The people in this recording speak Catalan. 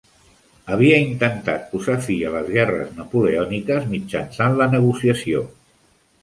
Havia intentat posar fi a les guerres napoleòniques mitjançant la negociació.